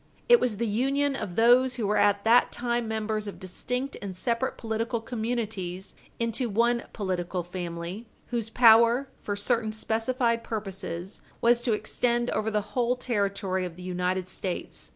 It was the union of those who were at that time members of distinct and separate political communities into one political family, whose power, for certain specified purposes, was to extend over the whole territory of the United States.